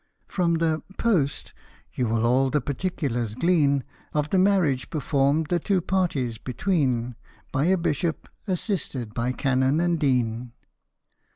[From the " Post " you will all the particulars glean Of the marriage performed the two parties between By a Bishop, assisted by Canon and Dean.